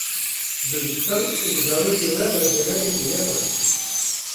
Dibistan, ji zarokên we re devereke ne baş e.